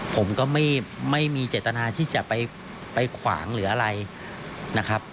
ผมก็ไม่มีเจตนาที่จะไปขวางหรืออะไรนะครับ